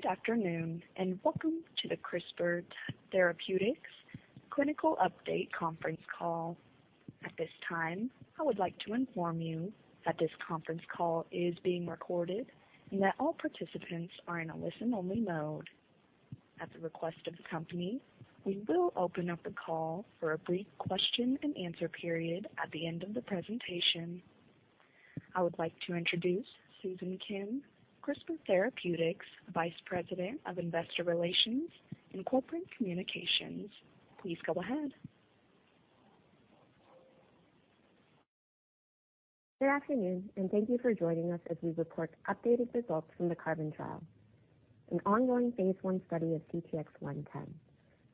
Good afternoon, and welcome to the CRISPR Therapeutics clinical update conference call. At this time, I would like to inform you that this conference call is being recorded and that all participants are in a listen-only mode. At the request of the company, we will open up the call for a brief question and answer period at the end of the presentation. I would like to introduce Susan Kim, CRISPR Therapeutics Vice President of Investor Relations and Corporate Communications. Please go ahead. Good afternoon, and thank you for joining us as we report updated results from the CARBON trial, an ongoing phase I study of CTX110,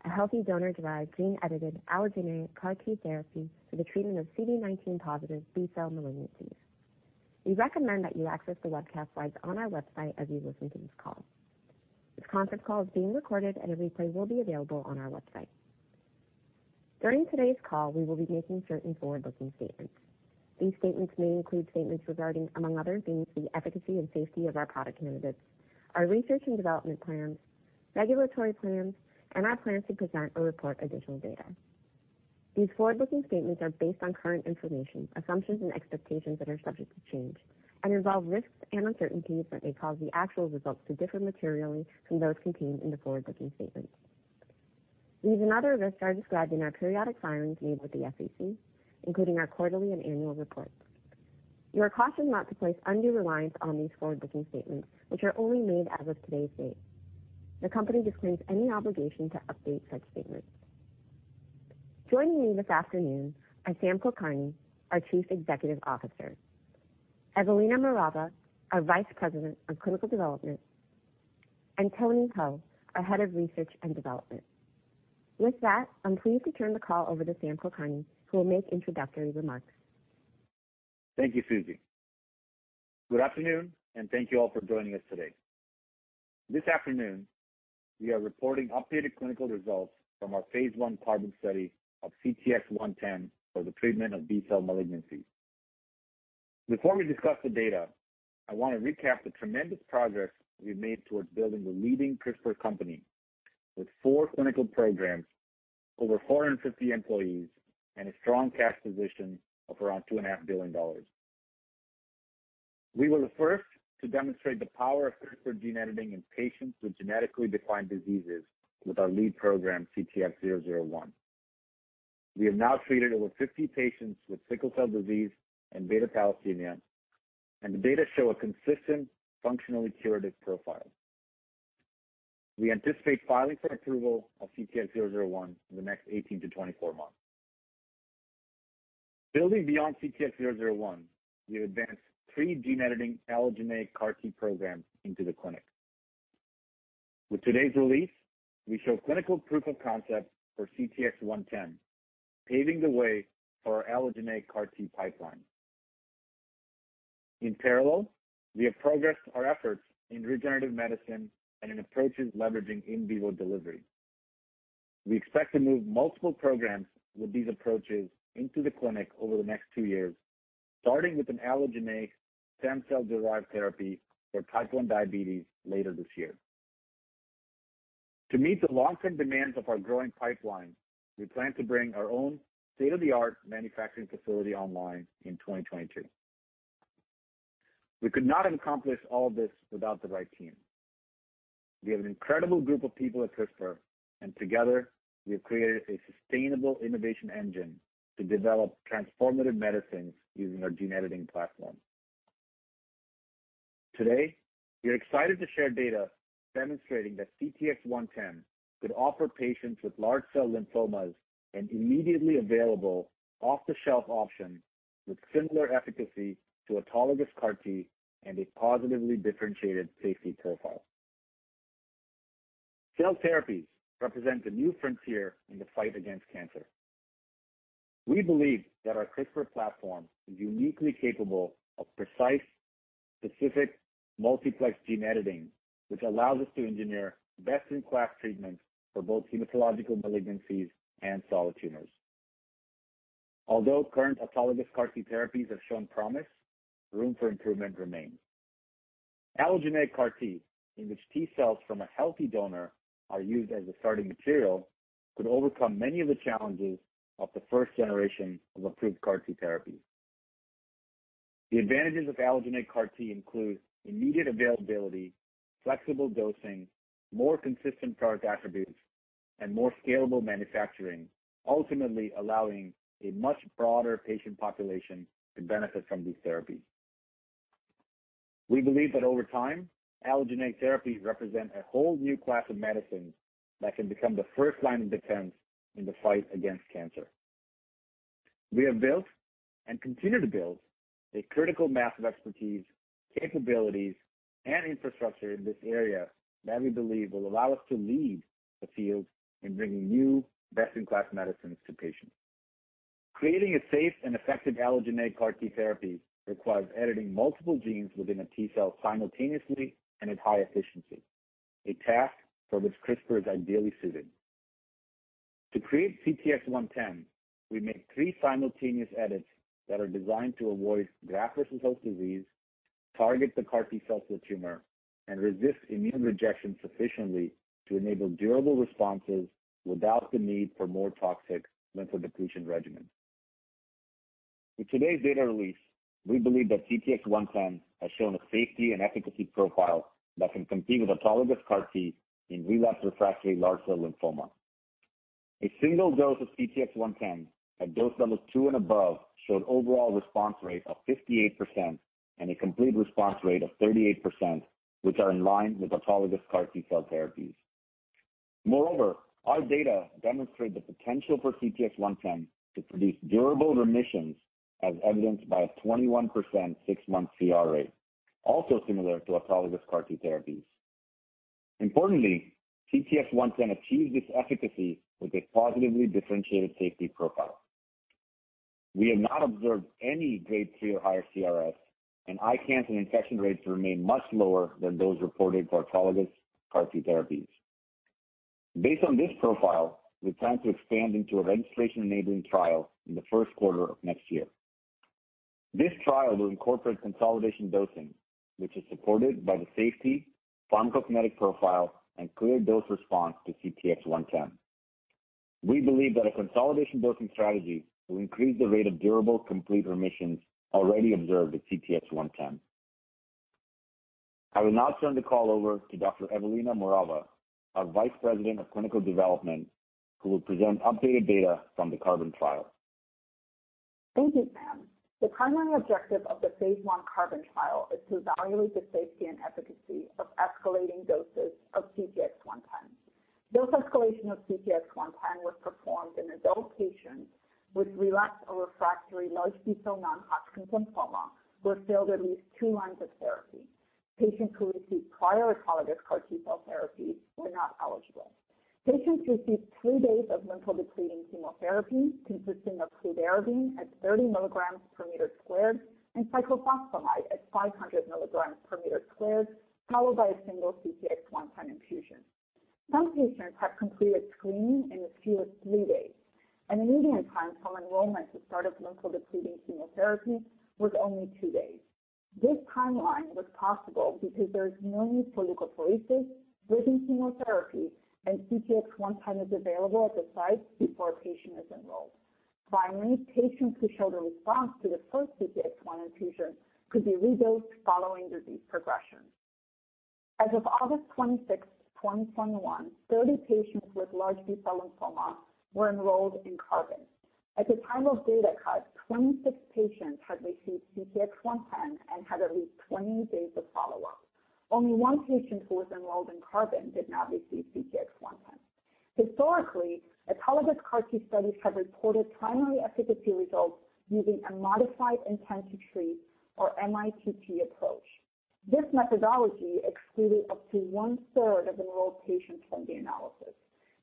a healthy donor-derived gene-edited allogeneic CAR-T therapy for the treatment of CD19+ B-cell malignancies. We recommend that you access the webcast slides on our website as you listen to this call. This conference call is being recorded, and a replay will be available on our website. During today's call, we will be making certain forward-looking statements. These statements may include statements regarding, among other things, the efficacy and safety of our product candidates, our research and development plans, regulatory plans, and our plans to present or report additional data. These forward-looking statements are based on current information, assumptions, and expectations that are subject to change, and involve risks and uncertainties that may cause the actual results to differ materially from those contained in the forward-looking statements. These and other risks are described in our periodic filings made with the SEC, including our quarterly and annual reports. You are cautioned not to place undue reliance on these forward-looking statements, which are only made as of today's date. The company disclaims any obligation to update such statements. Joining me this afternoon are Samarth Kulkarni, our Chief Executive Officer, Evelina Morava, our Vice President of Clinical Development, and Tony Ho, our Head of Research and Development. With that, I'm pleased to turn the call over to Samarth Kulkarni, who will make introductory remarks. Thank you, Susie. Good afternoon, thank you all for joining us today. This afternoon, we are reporting updated clinical results from our phase I CARBON study of CTX110 for the treatment of B-cell malignancies. Before we discuss the data, I want to recap the tremendous progress we've made towards building a leading CRISPR company with four clinical programs, over 450 employees, and a strong cash position of around two and a half billion dollars. We were the first to demonstrate the power of CRISPR gene editing in patients with genetically defined diseases with our lead program, CTX001. We have now treated over 50 patients with sickle cell disease and beta thalassemia, and the data show a consistent functionally curative profile. We anticipate filing for approval of CTX001 in the next 18 to 24 months. Building beyond CTX001, we advanced three gene-editing allogeneic CAR-T programs into the clinic. With today's release, we show clinical proof of concept for CTX110, paving the way for our allogeneic CAR-T pipeline. In parallel, we have progressed our efforts in regenerative medicine and in approaches leveraging in vivo delivery. We expect to move multiple programs with these approaches into the clinic over the next two years, starting with an allogeneic stem cell-derived therapy for type 1 diabetes later this year. To meet the long-term demands of our growing pipeline, we plan to bring our own state-of-the-art manufacturing facility online in 2022. We could not have accomplished all this without the right team. We have an incredible group of people at CRISPR, and together we have created a sustainable innovation engine to develop transformative medicines using our gene editing platform. Today, we are excited to share data demonstrating that CTX110 could offer patients with large cell lymphomas an immediately available, off-the-shelf option with similar efficacy to autologous CAR-T and a positively differentiated safety profile. Cell therapies represent the new frontier in the fight against cancer. We believe that our CRISPR platform is uniquely capable of precise, specific multiplex gene editing, which allows us to engineer best-in-class treatments for both hematological malignancies and solid tumors. Although current autologous CAR-T therapies have shown promise, room for improvement remains. Allogeneic CAR-T, in which T-cells from a healthy donor are used as a starting material, could overcome many of the challenges of the first generation of approved CAR-T therapies. The advantages of allogeneic CAR-T include immediate availability, flexible dosing, more consistent product attributes, and more scalable manufacturing, ultimately allowing a much broader patient population to benefit from these therapies. We believe that over time, allogeneic therapies represent a whole new class of medicines that can become the first line of defense in the fight against cancer. We have built and continue to build a critical mass of expertise, capabilities, and infrastructure in this area that we believe will allow us to lead the field in bringing new best-in-class medicines to patients. Creating a safe and effective allogeneic CAR-T therapy requires editing multiple genes within a T-cell simultaneously and at high efficiency, a task for which CRISPR is ideally suited. To create CTX110, we make three simultaneous edits that are designed to avoid graft-versus-host disease, target the CAR T-cell to the tumor, and resist immune rejection sufficiently to enable durable responses without the need for more toxic lymphodepletion regimens. With today's data release, we believe that CTX110 has shown a safety and efficacy profile that can compete with autologous CAR T in relapse-refractory large cell lymphoma. A single dose of CTX110 at dose levels two and above showed overall response rate of 58% and a complete response rate of 38%, which are in line with autologous CAR T-cell therapies. Our data demonstrate the potential for CTX110 to produce durable remissions as evidenced by a 21% six-month CR rate, also similar to autologous CAR T therapies. CTX110 achieved this efficacy with a positively differentiated safety profile. We have not observed any Grade 3 or higher CRS, and ICANS and infection rates remain much lower than those reported for autologous CAR T therapies. Based on this profile, we plan to expand into a registration-enabling trial in the first quarter of next year. This trial will incorporate consolidation dosing, which is supported by the safety, pharmacokinetic profile, and clear dose response to CTX110. We believe that a consolidation dosing strategy will increase the rate of durable complete remissions already observed with CTX110. I will now turn the call over to Dr. Evelina Morava, our Vice President of Clinical Development, who will present updated data from the CARBON trial. Thank you, Sam. The primary objective of the Phase I CARBON trial is to evaluate the safety and efficacy of escalating doses of CTX110. Dose escalation of CTX110 was performed in adult patients with relapsed or refractory large B-cell non-Hodgkin's lymphoma who failed at least two lines of therapy. Patients who received prior autologous CAR-T cell therapy were not eligible. Patients received three days of lymphodepleting chemotherapy consisting of fludarabine at 30 mgs per meter squared and cyclophosphamide at 500 milligrams per meter squared, followed by a single CTX110 infusion. Some patients had completed screening in as few as three days, and the median time from enrollment to start of lymphodepleting chemotherapy was only two days. This timeline was possible because there is no need for leukapheresis, bridging chemotherapy, and CTX110 is available at the site before a patient is enrolled. Patients who showed a response to the first CTX1 infusion could be re-dosed following disease progression. As of August 26th, 2021, 30 patients with large B-cell lymphoma were enrolled in CARBON. At the time of data cut, 26 patients had received CTX110 and had at least 20 days of follow-up. Only one patient who was enrolled in CARBON did not receive CTX110. Historically, autologous CAR-T studies have reported primary efficacy results using a modified intent-to-treat, or mITT approach. This methodology excluded up to one-third of enrolled patients from the analysis.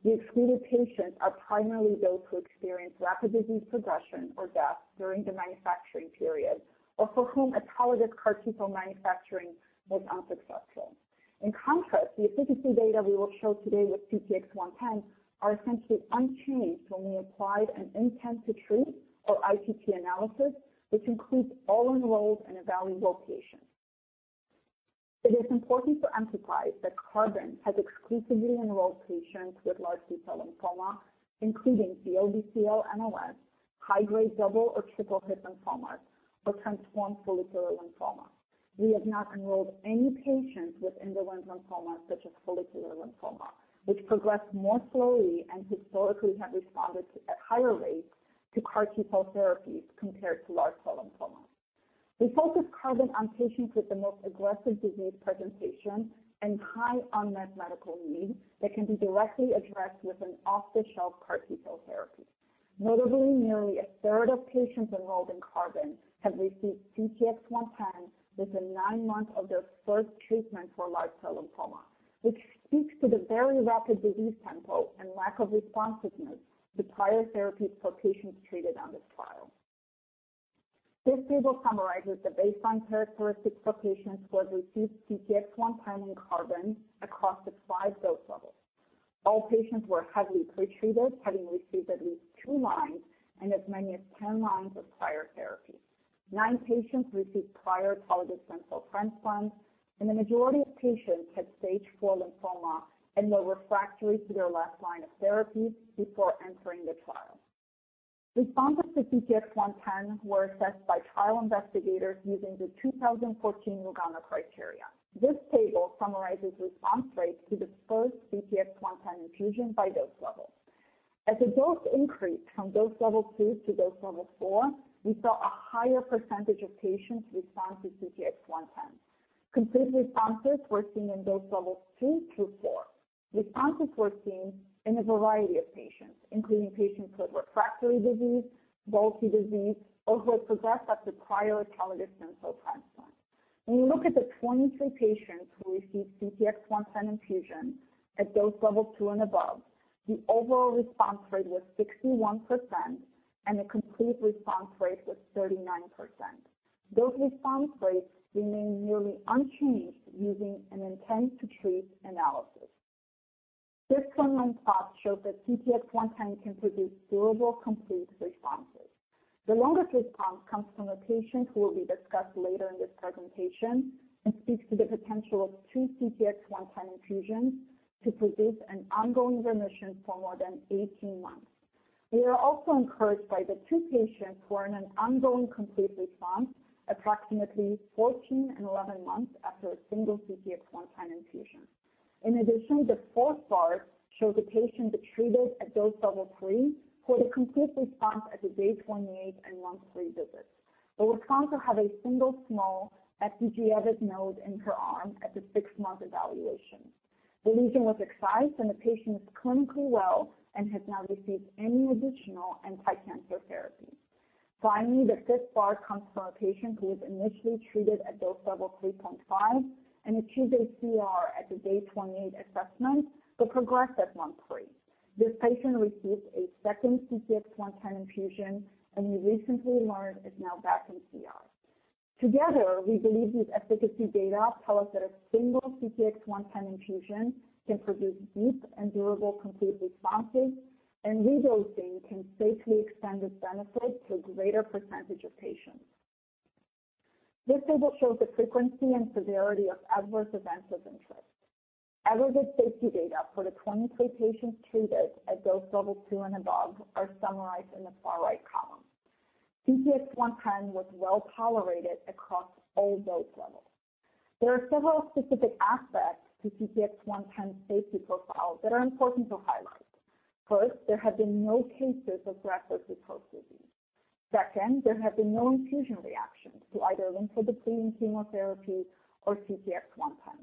The excluded patients are primarily those who experienced rapid disease progression or death during the manufacturing period, or for whom autologous CAR-T cell manufacturing was unsuccessful. In contrast, the efficacy data we will show today with CTX110 are essentially unchanged when we applied an intent-to-treat, or ITT analysis, which includes all enrolled and evaluated patients. It is important to emphasize that CARBON has exclusively enrolled patients with large B-cell lymphoma, including COB-CL MLS, high-grade double or triple hit lymphomas, or transformed follicular lymphoma. We have not enrolled any patients with indolent lymphoma such as follicular lymphoma, which progress more slowly and historically have responded at higher rates to CAR T-cell therapies compared to large cell lymphoma. We focused CARBON on patients with the most aggressive disease presentation and high unmet medical need that can be directly addressed with an off-the-shelf CAR T-cell therapy. Notably, nearly a third of patients enrolled in CARBON have received CTX110 within nine months of their first treatment for large cell lymphoma, which speaks to the very rapid disease tempo and lack of responsiveness to prior therapies for patients treated on this trial. This table summarizes the baseline characteristics for patients who have received CTX110 and CARBON across the five dose levels. All patients were heavily pre-treated, having received at least two lines and as many as 10 lines of prior therapy. Nine patients received prior autologous stem cell transplants, and the majority of patients had Stage 4 lymphoma and were refractory to their last line of therapies before entering the trial. Responses to CTX110 were assessed by trial investigators using the 2014 Lugano criteria. This table summarizes response rates to the first CTX110 infusion by dose level. As the dose increased from dose level two to dose level four, we saw a higher percentage of patients respond to CTX110. Complete responses were seen in dose levels two through four. Responses were seen in a variety of patients, including patients with refractory disease, bulky disease, or who had progressed after prior autologous stem cell transplant. When we look at the 23 patients who received CTX110 infusion at dose level two and above, the overall response rate was 61%, and the complete response rate was 39%. Those response rates remain nearly unchanged using an intent-to-treat analysis. This timeline plot shows that CTX110 can produce durable, complete responses. The longest response comes from a patient who will be discussed later in this presentation and speaks to the potential of two CTX110 infusions to produce an ongoing remission for more than 18 months. We are also encouraged by the two patients who are in an ongoing complete response, approximately 14 and 11 months after a single CTX110 infusion. In addition, the fourth bar shows a patient treated at dose level three who had a complete response at the day 28 and month three visits. The response had a single small FDG-avid node in her arm at the six-month evaluation. The lesion was excised, and the patient is clinically well and has not received any additional anti-cancer therapy. Finally, the fifth bar comes from a patient who was initially treated at dose level 3.5 and achieved a CR at the day 28 assessment but progressed at month three. This patient received a second CTX110 infusion, and we recently learned is now back in CR. Together, we believe these efficacy data tell us that a single CTX110 infusion can produce deep and durable complete responses, and redosing can safely expand this benefit to a greater percentage of patients. This table shows the frequency and severity of adverse events of interest. Aggregate safety data for the 23 patients treated at dose level two and above are summarized in the far right column. CTX110 was well-tolerated across all dose levels. There are several specific aspects to CTX110 safety profile that are important to highlight. First, there have been no cases of graft-versus-host disease. Second, there have been no infusion reactions to either lymphodepleting chemotherapy or CTX110.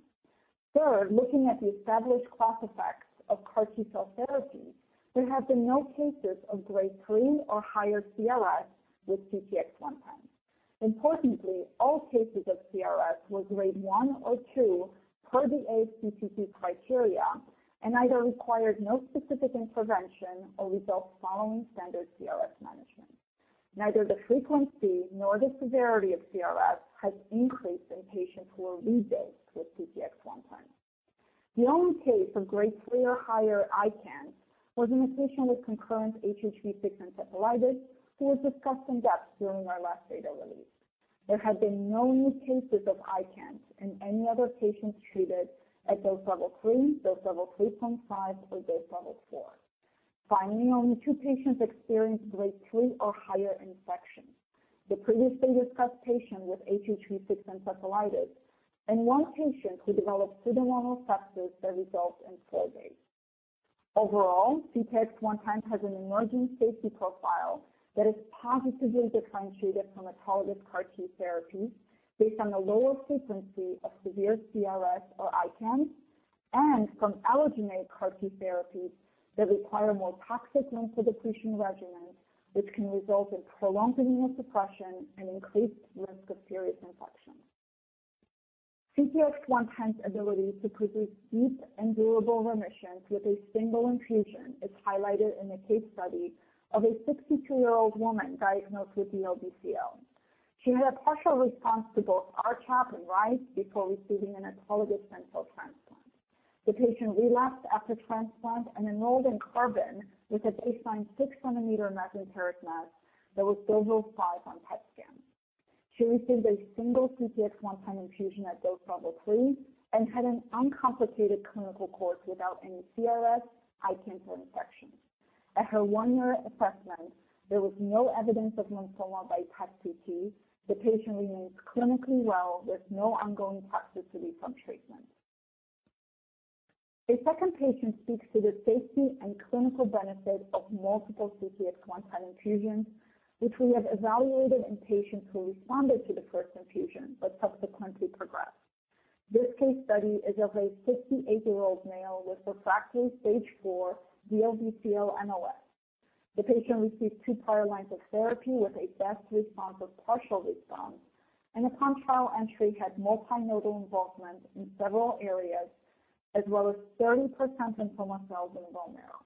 Third, looking at the established class effects of CAR T-cell therapy, there have been no cases of grade three or higher CRS with CTX110. Importantly, all cases of CRS were grade one or two per the ASTCT criteria and either required no specific intervention or resolved following standard CRS management. Neither the frequency nor the severity of CRS has increased in patients who are redosed with CTX110. The only case of Grade 3 or higher ICANS was in a patient with concurrent HHV-6 encephalitis who was discussed in depth during our last data release. There have been no new cases of ICANS in any other patients treated at dose level three, dose level 3.5, or dose level four. Finally, only two patients experienced Grade 3 or higher infection: the previously discussed patient with HHV-6 encephalitis and one patient who developed pseudomonal sepsis that resolved in four days. Overall, CTX110 has an emerging safety profile that is positively differentiated from autologous CAR T therapy based on the lower frequency of severe CRS or ICANS and from allogeneic CAR T therapy that require more toxic lymphodepletion regimens, which can result in prolonged immune suppression and increased risk of serious infection. CTX110's ability to produce deep and durable remissions with a single infusion is highlighted in the case study of a 62-year-old woman diagnosed with DLBCL. She had a partial response to both R-CHOP and RICE before receiving an autologous stem cell transplant. The patient relapsed after transplant and enrolled in CARBON with a baseline 6cm measurement thoracic mass that was Deauville 5 on PET scan. She received a single CTX110 infusion at dose level three and had an uncomplicated clinical course without any CRS, ICANS, or infection. At her one-year assessment, there was no evidence of lymphoma by PET-CT. The patient remains clinically well with no ongoing toxicity from treatment. A second patient speaks to the safety and clinical benefit of multiple CTX110 infusions, which we have evaluated in patients who responded to the first infusion but subsequently progressed. This case study is of a 68-year-old male with refractory stage 4 DLBCL NOS. The patient received two prior lines of therapy with a best response of partial response, and upon trial entry, had multi-nodal involvement in several areas, as well as 30% lymphoma cells in bone marrow.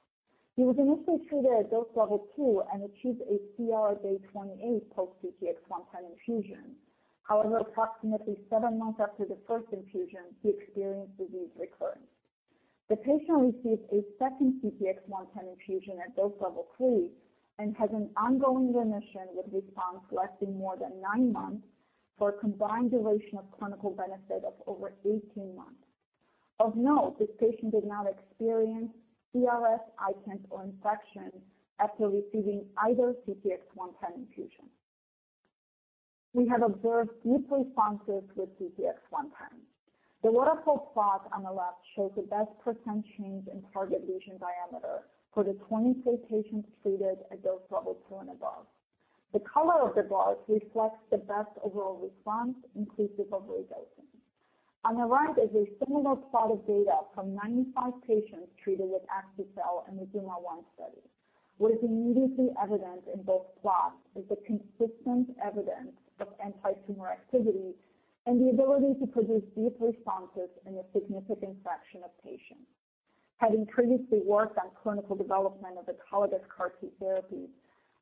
He was initially treated at dose level two and achieved a CR at day 28 post CTX110 infusion. However, approximately seven months after the first infusion, he experienced disease recurrence. The patient received a second CTX110 infusion at dose level three and has an ongoing remission with response lasting more than nine months for a combined duration of clinical benefit of over 18 months. Of note, this patient did not experience CRS, ICANS, or infection after receiving either CTX110 infusion. We have observed deep responses with CTX110. The waterfall plot on the left shows the best % change in target lesion diameter for the 23 patients treated at dose level two and above. The color of the bars reflects the best overall response, inclusive of redosing. On the right is a similar plot of data from 95 patients treated with axicabtagene in the ZUMA-1 study. What is immediately evident in both plots is the consistent evidence of anti-tumor activity and the ability to produce deep responses in a significant fraction of patients. Having previously worked on clinical development of autologous CAR-T therapies,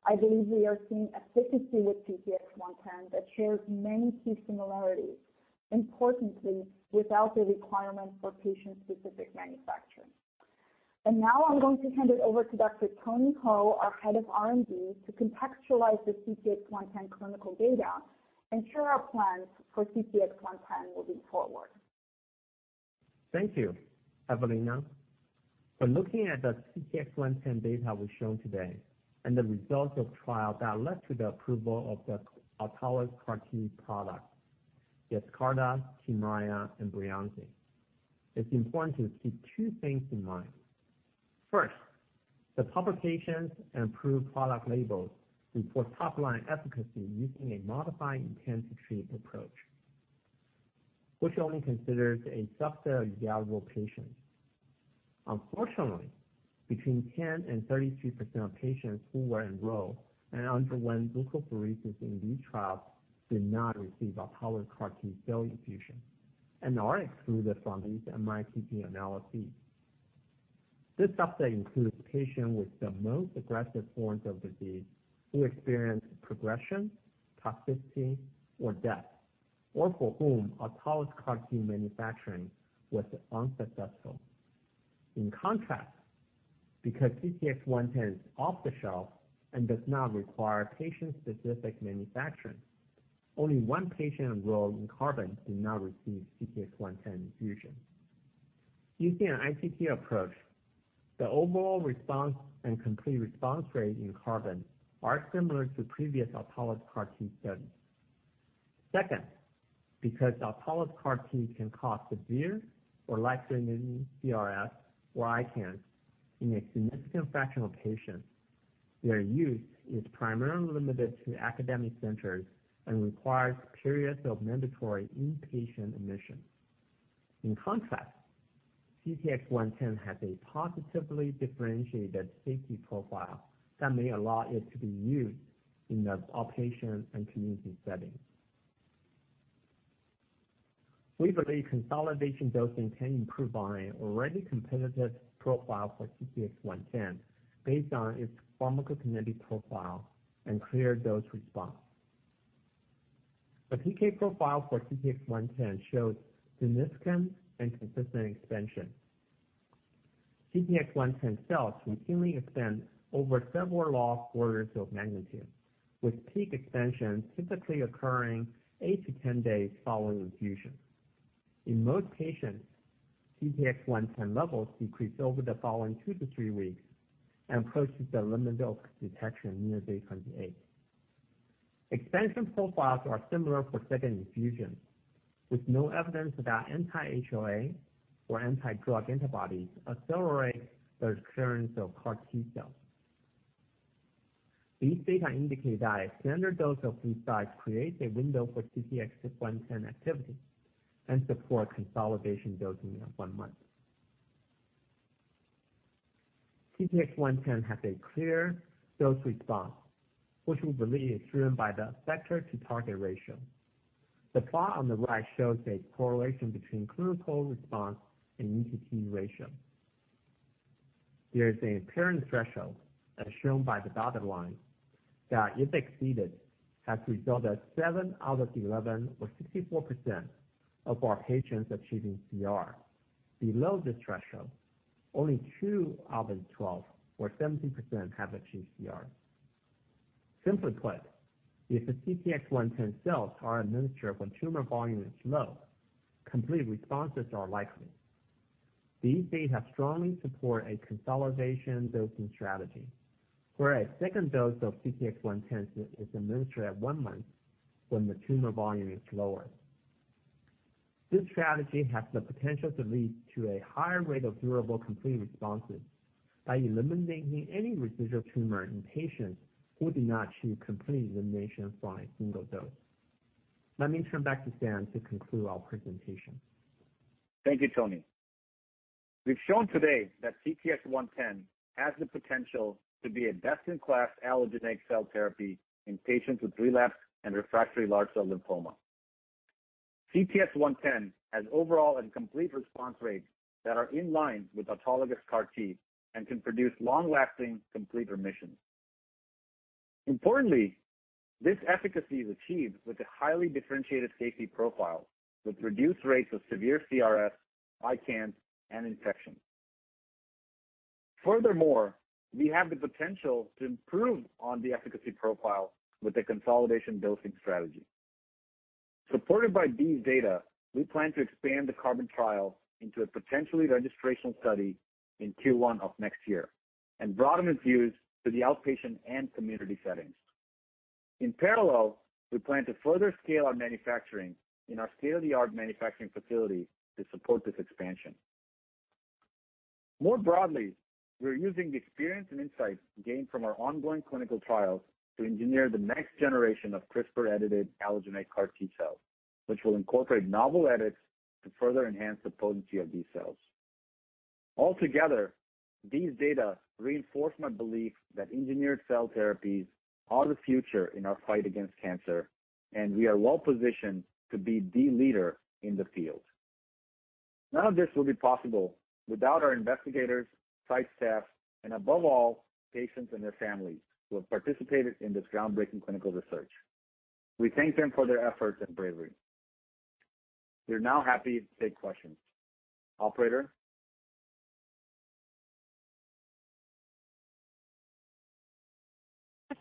I believe we are seeing efficacy with CTX110 that shares many key similarities, importantly, without the requirement for patient-specific manufacturing. Now I'm going to hand it over to Dr. Tony Ho, our Head of R&D, to contextualize the CTX110 clinical data and share our plans for CTX110 moving forward. Thank you, Evelina. From looking at the CTX110 data we've shown today and the results of trial that led to the approval of the autologous CAR-T product, YESCARTA, KYMRIAH, BREYANZI, it's important to keep two things in mind. First, the publications and approved product labels report top-line efficacy using a modified intent-to-treat approach, which only considers a subset of evaluable patients. Unfortunately, between 10%-33% of patients who were enrolled and underwent leukapheresis in these trials did not receive autologous CAR-T cell infusion and are excluded from these mITT analyses. This subset includes patients with the most aggressive forms of the disease who experienced progression, toxicity, or death, or for whom autologous CAR-T manufacturing was unsuccessful. In contrast, because CTX110 is off-the-shelf and does not require patient-specific manufacturing, only one patient enrolled in CARBON did not receive CTX110 infusion. Using an ITT approach, the overall response and complete response rate in CARBON are similar to previous autologous CAR-T studies. Second, because autologous CAR-T can cause severe or life-threatening CRS or ICANS in a significant fraction of patients, their use is primarily limited to academic centers and requires periods of mandatory inpatient admission. In contrast, CTX110 has a positively differentiated safety profile that may allow it to be used in the outpatient and community settings. We believe consolidation dosing can improve on an already competitive profile for CTX110 based on its pharmacokinetic profile and clear dose response. The PK profile for CTX110 shows consistent expansion. CTX110 cells routinely expand over several logs orders of magnitude, with peak expansion typically occurring eight to 10 days following infusion. In most patients, CTX110 levels decrease over the following two to three weeks and approaches the limit of detection near day 28. Expansion profiles are similar for second infusions, with no evidence that anti-HLA or anti-drug antibodies accelerate the clearance of CAR-T cells. These data indicate that a standard dose of three times creates a window for CTX110 activity and supports consolidation dosing at one month. CTX110 has a clear dose response, which we believe is driven by the effector-to-target ratio. The plot on the right shows a correlation between clinical response and E:T ratio. There is an apparent threshold, as shown by the dotted line, that if exceeded, has resulted seven out of 11 or 64% of our patients achieving CR. Below this threshold, only two out of 12 or 17% have achieved CR. Simply put, if the CTX110 cells are administered when tumor volume is low, complete responses are likely. These data strongly support a consolidation dosing strategy, where a second dose of CTX110 is administered at one month when the tumor volume is lower. This strategy has the potential to lead to a higher rate of durable complete responses by eliminating any residual tumor in patients who did not achieve complete elimination from a single dose. Let me turn back to Sam to conclude our presentation. Thank you, Tony. We've shown today that CTX110 has the potential to be a best-in-class allogeneic cell therapy in patients with relapsed and refractory large cell lymphoma. CTX110 has overall and complete response rates that are in line with autologous CAR-T and can produce long-lasting complete remission. Importantly, this efficacy is achieved with a highly differentiated safety profile with reduced rates of severe CRS, ICANS, and infection. Furthermore, we have the potential to improve on the efficacy profile with a consolidation dosing strategy. Supported by these data, we plan to expand the CARBON trial into a potentially registrational study in Q1 of next year and broaden its use to the outpatient and community settings. In parallel, we plan to further scale our manufacturing in our state-of-the-art manufacturing facility to support this expansion. More broadly, we are using the experience and insights gained from our ongoing clinical trials to engineer the next generation of CRISPR-edited allogeneic CAR T cells, which will incorporate novel edits to further enhance the potency of these cells. These data reinforce my belief that engineered cell therapies are the future in our fight against cancer, and we are well-positioned to be the leader in the field. None of this would be possible without our investigators, site staff, and above all, patients and their families who have participated in this groundbreaking clinical research. We thank them for their efforts and bravery. We are now happy to take questions. Operator?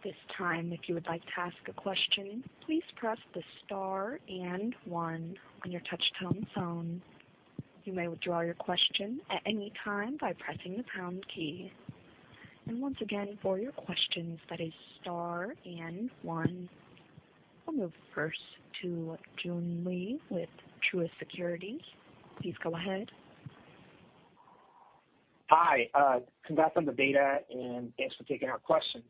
At this time, if you would like to ask a question, please press the star and one on your touchtone phone. You may withdraw your question at any time by pressing the pound key. Once again, for your questions, that is star and one. I'll move first to Joon Lee with Truist Securities. Please go ahead. Hi. Congrats on the data, thanks for taking our questions.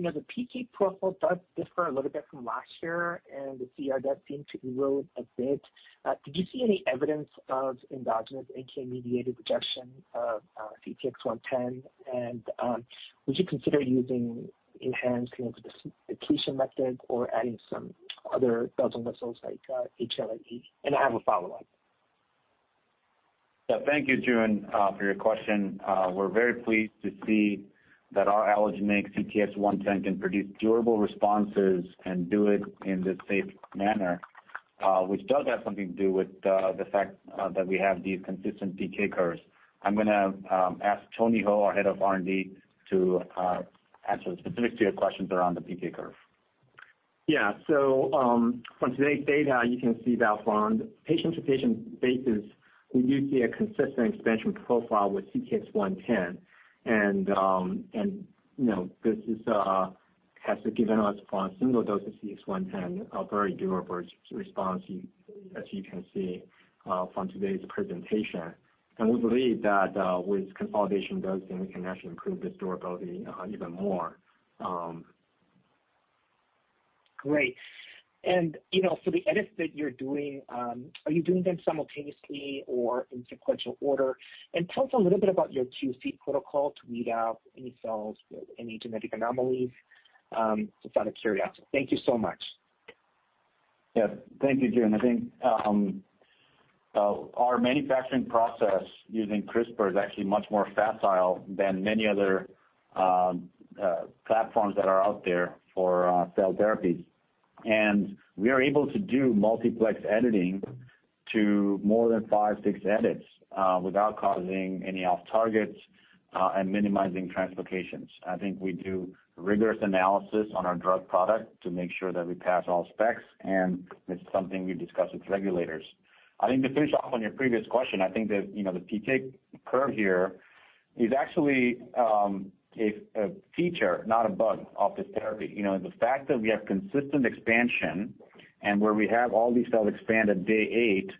The PK profile does differ a little bit from last year, and the CRS seemed to erode a bit. Did you see any evidence of endogenous NK-mediated rejection of CTX110? Would you consider using enhanced sequestration methods or adding some other T cells like HLA-G? I have a follow-up. Yeah, thank you, Joon, for your question. We're very pleased to see that our allogeneic CTX110 can produce durable responses and do it in this safe manner, which does have something to do with the fact that we have these consistent PK curves. I'm going to ask Tony Ho, our Head of R&D, to answer specific to your questions around the PK curve. Yeah. From today's data, you can see that on patient-to-patient basis, we do see a consistent expansion profile with CTX110, and this has given us, on a single dose of CTX110, a very durable response as you can see from today's presentation. We believe that with consolidation dosing, we can actually improve this durability even more. Great. For the edits that you're doing, are you doing them simultaneously or in sequential order? Tell us a little bit about your QC protocol to weed out any cells with any genetic anomalies. Just out of curiosity. Thank you so much. Yeah. Thank you, Joon. I think our manufacturing process using CRISPR is actually much more facile than many other platforms that are out there for cell therapies. We are able to do multiplex editing to more than five, six edits without causing any off-targets and minimizing translocations. I think we do rigorous analysis on our drug product to make sure that we pass all specs, and it's something we discuss with regulators. I think to finish off on your previous question, I think that the PK curve here is actually a feature, not a bug of this therapy. The fact that we have consistent expansion and where we have all these cells expand at day eight,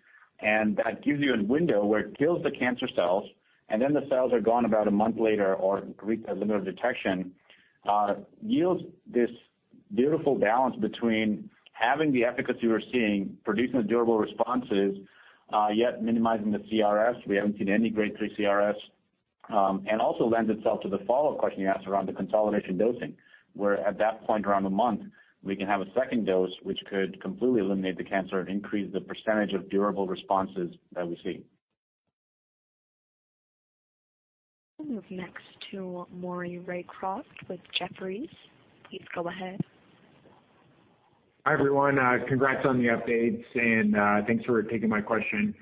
and that gives you a window where it kills the cancer cells, and then the cells are gone about a month later or reach a limit of detection, yields this beautiful balance between having the efficacy we're seeing, producing the durable responses, yet minimizing the CRS. We haven't seen any Grade 3 CRS. Also lends itself to the follow-up question you asked around the consolidation dosing, where at that point, around one month, we can have a second dose, which could completely eliminate the cancer and increase the percentage of durable responses that we see. I'll move next to Maury Raycroft with Jefferies. Please go ahead. Hi, everyone. Congrats on the updates, and thanks for taking my question.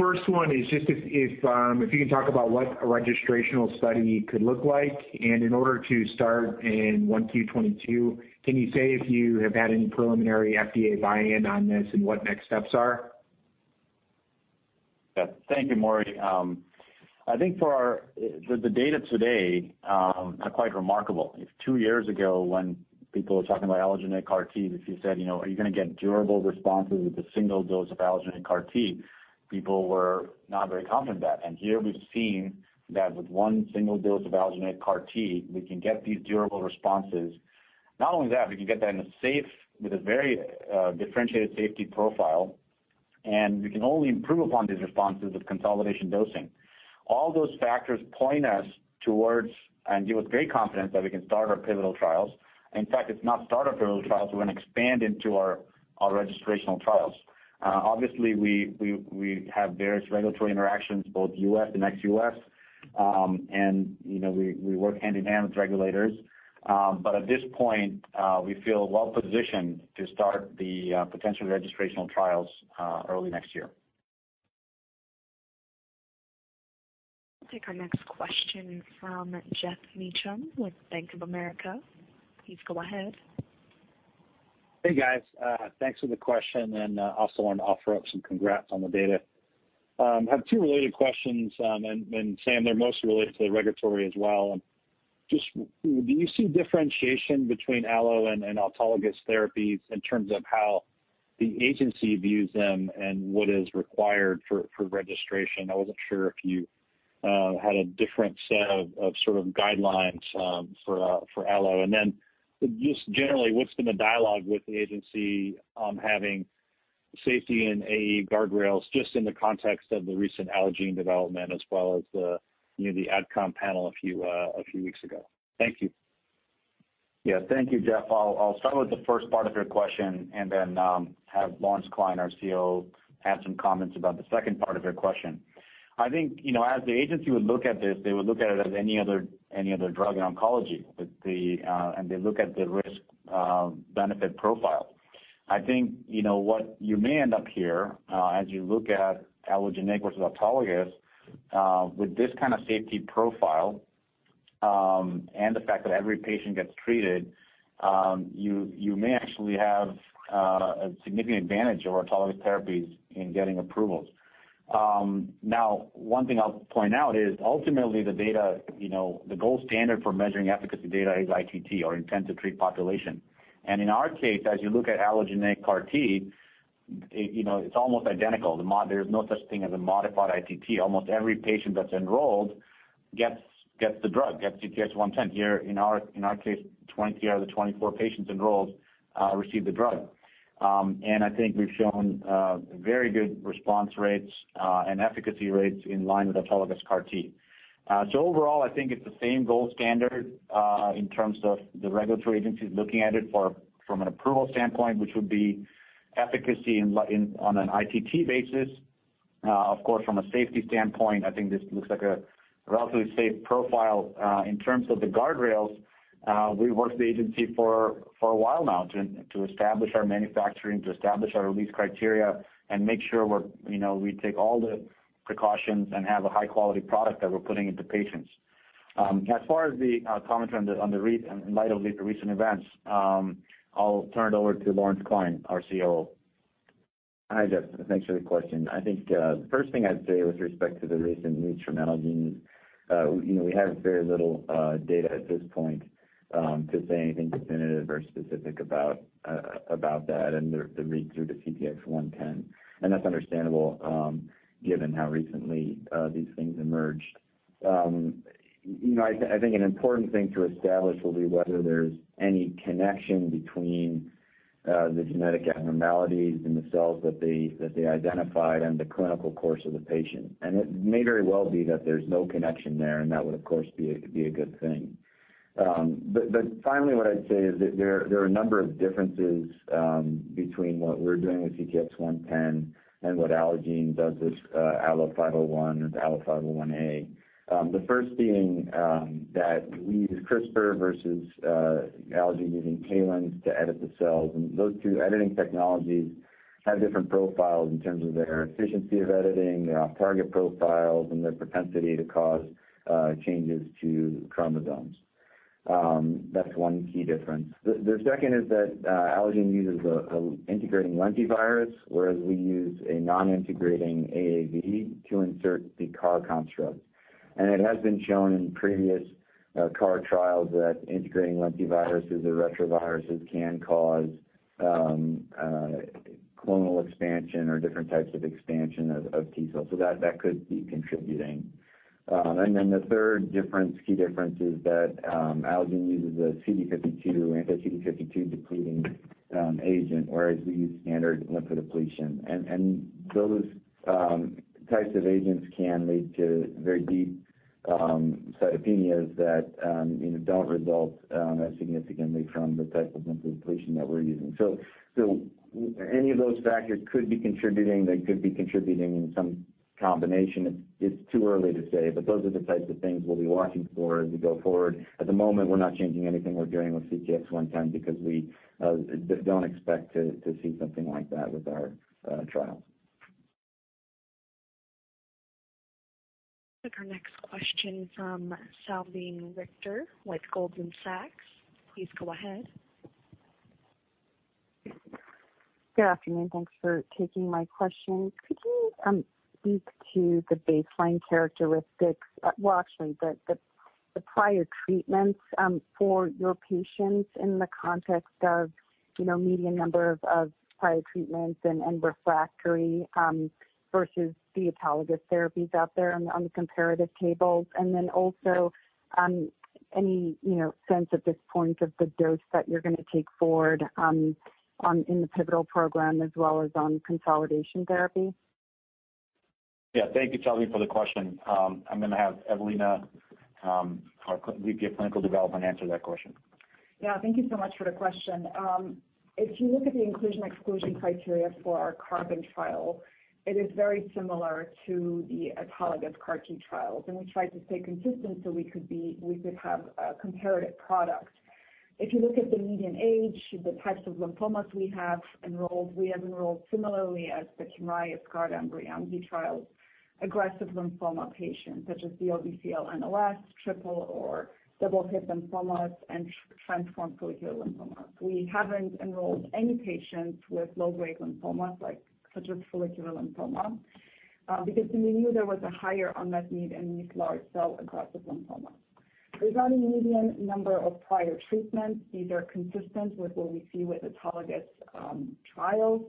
First one is just if you can talk about what a registrational study could look like. In order to start in 1 Q 2022, can you say if you have had any preliminary FDA buy-in on this and what next steps are? Yeah. Thank you, Maury. I think for the data today are quite remarkable. If two years ago, when people were talking about allogeneic CAR-T, if you said, "Are you going to get durable responses with a single dose of allogeneic CAR-T?" People were not very confident in that. Here we've seen that with one single dose of allogeneic CAR-T, we can get these durable responses. Not only that, we can get that in a safe, with a very differentiated safety profile, and we can only improve upon these responses with consolidation dosing. All those factors point us towards and give us great confidence that we can start our pivotal trials. In fact, it's not start our pivotal trials, we're going to expand into our registrational trials. Obviously, we have various regulatory interactions, both U.S. and ex-U.S., and we work hand in hand with regulators. At this point, we feel well-positioned to start the potential registrational trials early next year. I'll take our next question from Geoff Meacham with Bank of America. Please go ahead. Hey, guys. Thanks for the question, and also wanted to offer up some congrats on the data. I have two related questions, and Sam, they're mostly related to the regulatory as well. Just do you see differentiation between allo and autologous therapies in terms of how the agency views them and what is required for registration? I wasn't sure if you had a different set of guidelines for allo. Generally, what's been the dialogue with the agency on having Safety and AE guardrails just in the context of the recent Allogene development as well as the AdCom panel a few weeks ago. Thank you. Yeah. Thank you, Geoff. I'll start with the first part of your question and then have Lawrence Klein, our COO, add some comments about the second part of your question. They look at the risk-benefit profile. I think what you may end up here, as you look at allogeneic versus autologous, with this kind of safety profile, and the fact that every patient gets treated, you may actually have a significant advantage over autologous therapies in getting approvals. Now, one thing I'll point out is ultimately the gold standard for measuring efficacy data is ITT or intent-to-treat population. In our case, as you look at allogeneic CAR-T, it's almost identical. There's no such thing as a modified ITT. Almost every patient that's enrolled gets the drug, gets CTX110. Here in our case, 20 out of the 24 patients enrolled received the drug. I think we've shown very good response rates and efficacy rates in line with autologous CAR-T. Overall, I think it's the same gold standard in terms of the regulatory agencies looking at it from an approval standpoint, which would be efficacy on an ITT basis. Of course, from a safety standpoint, I think this looks like a relatively safe profile. In terms of the guardrails, we've worked with the agency for a while now to establish our manufacturing, to establish our release criteria, and make sure we take all the precautions and have a high-quality product that we're putting into patients. As far as the commentary in light of the recent events, I'll turn it over to Lawrence Klein, our COO. Hi, Geoff, and thanks for the question. I think the first thing I'd say with respect to the recent news from Allogene is we have very little data at this point to say anything definitive or specific about that and the read-through to CTX110. That's understandable given how recently these things emerged. I think an important thing to establish will be whether there's any connection between the genetic abnormalities in the cells that they identified and the clinical course of the patient. It may very well be that there's no connection there, and that would of course be a good thing. Finally, what I'd say is that there are a number of differences between what we're doing with CTX110 and what Allogene does with ALLO-501 or ALLO-501A. The first being that we use CRISPR versus Allogene using TALEN to edit the cells. Those two editing technologies have different profiles in terms of their efficiency of editing, their target profiles, and their propensity to cause changes to chromosomes. That's one key difference. The second is that Allogene uses an integrating lentivirus, whereas we use a non-integrating AAV to insert the CAR construct. It has been shown in previous CAR trials that integrating lentiviruses or retroviruses can cause clonal expansion or different types of expansion of T cells. That could be contributing. The third key difference is that Allogene uses a CD52, anti-CD52 depleting agent, whereas we use standard lymphodepletion. Those types of agents can lead to very deep cytopenias that don't result as significantly from the type of lymphodepletion that we're using. Any of those factors could be contributing. They could be contributing in some combination. It's too early to say, but those are the types of things we'll be watching for as we go forward. At the moment, we're not changing anything we're doing with CTX110 because we don't expect to see something like that with our trials. Take our next question from Salveen Richter with Goldman Sachs. Please go ahead. Good afternoon. Thanks for taking my question. Could you speak to the baseline characteristics, well, actually the prior treatments for your patients in the context of median number of prior treatments and refractory versus the auto therapies out there on the comparative tables? Also any sense at this point of the dose that you're going to take forward in the pivotal program as well as on consolidation therapy? Yeah. Thank you, Salveen, for the question. I'm going to have Evelina, our Vice President of Clinical Development, answer that question. Yeah. Thank you so much for the question. If you look at the inclusion-exclusion criteria for our CARBON trial, it is very similar to the autologous CAR-T trials. We tried to stay consistent so we could have a comparative product. If you look at the median age, the types of lymphomas we have enrolled, we have enrolled similarly as the KYMRIAH, YESCARTA, and BREYANZI trials, aggressive lymphoma patients such as BL, DLBCL NOS, triple or double hit lymphomas, and transformed follicular lymphoma. We haven't enrolled any patients with low-grade lymphomas such as follicular lymphoma because we knew there was a higher unmet need in these large cell aggressive lymphomas. Regarding the median number of prior treatments, these are consistent with what we see with autologous trials.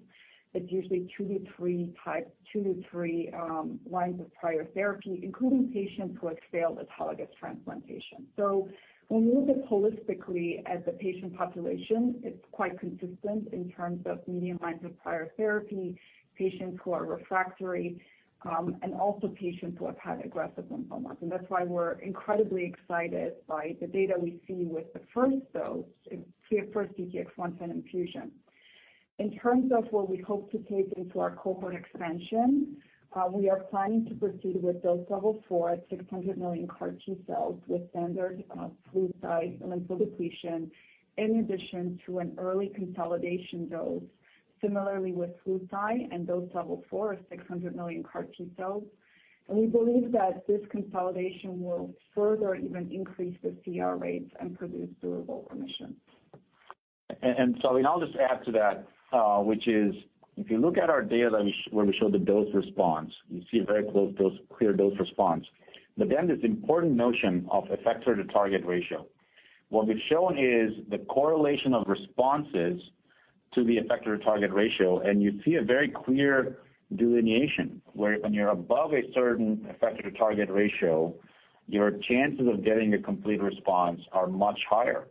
It's usually two to three lines of prior therapy, including patients who have failed autologous transplantation. When we look holistically at the patient population, it's quite consistent in terms of median lines of prior therapy, patients who are refractory, and also patients who have had aggressive lymphomas. That's why we're incredibly excited by the data we see with the first dose, the first CTX110 infusion. In terms of what we hope to take into our cohort expansion, we are planning to proceed with dose level four at 600 million CAR T-cells with standard Flucy and lymphodepletion, in addition to an early consolidation dose, similarly with Flucy and dose level four or 600 million CAR T-cells. We believe that this consolidation will further even increase the CR rates and produce durable remission. Salveen Richter, I'll just add to that, which is, if you look at our data where we show the dose response, you see a very close, clear dose response. This important notion of effector-to-target ratio. What we've shown is the correlation of responses to the effector-to-target ratio, and you see a very clear delineation, where when you're above a certain effector-to-target ratio, your chances of getting a complete response are much higher.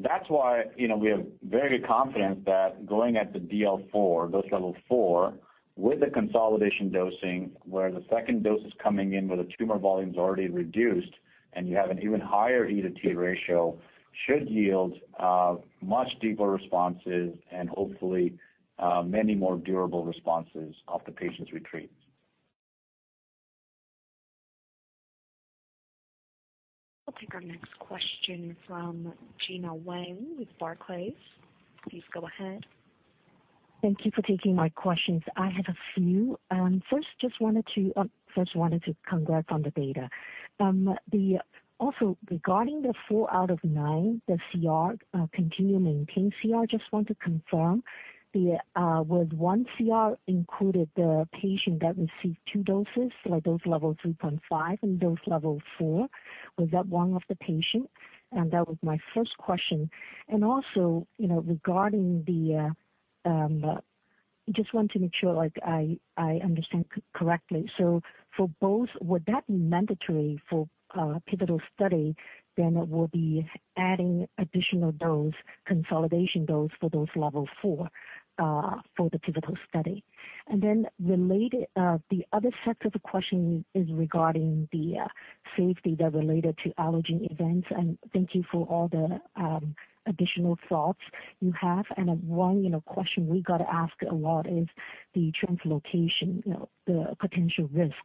That's why we have very confidence that going at the DL4, dose level four, with the consolidation dosing, where the second dose is coming in where the tumor volume is already reduced and you have an even higher E:T ratio, should yield much deeper responses and hopefully, many more durable responses of the patients treated. We'll take our next question from Gena Wang with Barclays. Please go ahead. Thank you for taking my questions. I have a few. First wanted to congrats on the data. Also regarding the four out of nine, the CR, continue maintain CR, just want to confirm, was one CR included the patient that received two doses, so like dose level 3.5 and dose level four? Was that one of the patient? That was my first question. Also, just want to make sure, I understand correctly. For both, would that be mandatory for pivotal study, then we'll be adding additional dose, consolidation dose for dose level four, for the pivotal study? Then the other set of the question is regarding the safety that related to allogeneic events, and thank you for all the additional thoughts you have. A question we got asked a lot is the translocation, the potential risk.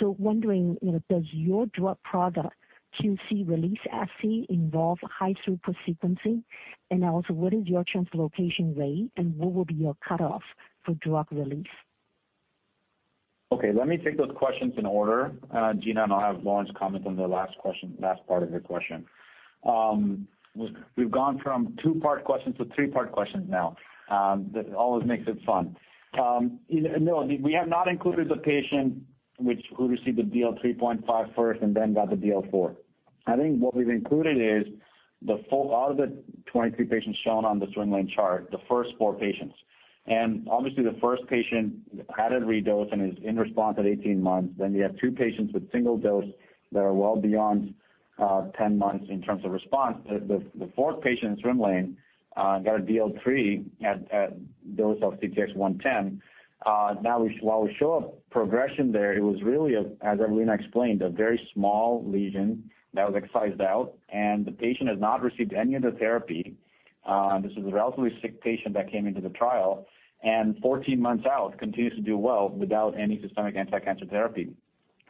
Wondering, does your drug product QC release assay involve high-throughput sequencing? Also what is your translocation rate and what will be your cutoff for drug release? Okay. Let me take those questions in order, Gena Wang, and I'll have Lawrence Klein comment on the last part of your question. We've gone from two-part questions to three-part questions now. That always makes it fun. No, we have not included the patient who received the DL3.5 first and then got the DL4. I think what we've included is out of the 23 patients shown on the swim lane chart, the first four patients. Obviously the first patient had a redose and is in response at 18 months. We have two patients with single dose that are well beyond 10 months in terms of response. The fourth patient swim lane got a DL3 at dose of CTX110. While we show a progression there, it was really, as Evelina explained, a very small lesion that was excised out and the patient has not received any other therapy. This is a relatively sick patient that came into the trial, and 14 months out continues to do well without any systemic anti-cancer therapy